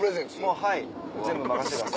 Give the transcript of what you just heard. もうはい全部任してください。